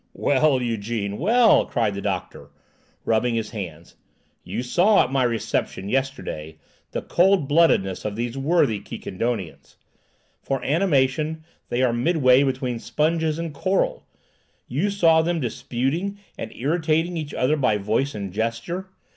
"Well, Ygène, well," cried the doctor, rubbing his hands. "You saw, at my reception yesterday, the cool bloodedness of these worthy Quiquendonians. For animation they are midway between sponges and coral! You saw them disputing and irritating each other by voice and gesture?